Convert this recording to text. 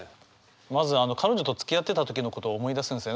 まず彼女とつきあってた時のことを思い出すんですよね